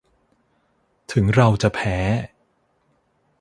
ถึงเราจะแพ้